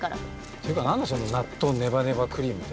ていうか何だその納豆ネバネバクリームって。